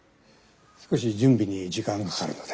少し準備に時間がかかるので。